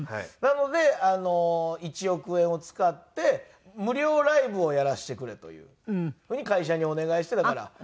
なので１億円を使って無料ライブをやらせてくれというふうに会社にお願いしてだから。